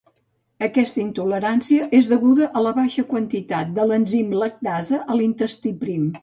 Aquesta intolerància és deguda a la baixa quantitat de l'enzim lactasa a l'intestí prim.